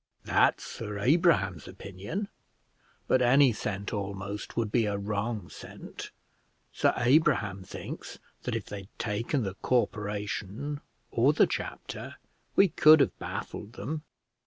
"That's Sir Abraham's opinion; but any scent almost would be a wrong scent. Sir Abraham thinks that if they'd taken the corporation, or the chapter, we could have baffled them.